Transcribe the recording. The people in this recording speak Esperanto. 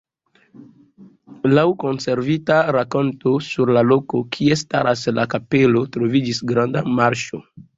Laŭ konservita rakonto sur la loko, kie staras la kapelo, troviĝis granda marĉo.